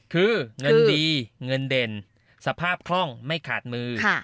คือเงินดีเงินเด่นสภาพคล่องไม่ขาดมือ